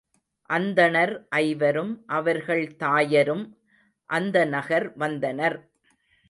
அந்தணர் ஐவரும் அவர்கள் தாயரும் அந்த நகர் வந்தனர்.